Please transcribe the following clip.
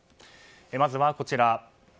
まずはこちら。